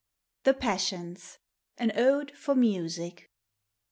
THE PASSIONS. A \ ODE FOB M' SIC.